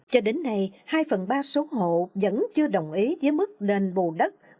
cho đến nay hai phần ba số hộ vẫn chưa đồng ý với mức đền bù đất